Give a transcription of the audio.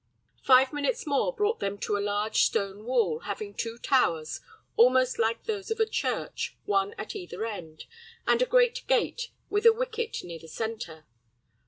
Five minutes more brought them to a large stone wall, having two towers, almost like those of a church, one at either end, and a great gate with a wicket near the centre.